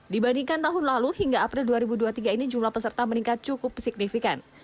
dibandingkan tahun lalu hingga april dua ribu dua puluh tiga ini jumlah peserta meningkat cukup signifikan